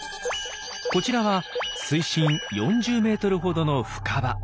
こちらは水深４０メートルほどの深場。